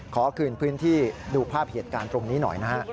ขอคืนพื้นที่ดูภาพเหตุการณ์ตรงนี้หน่อยนะฮะ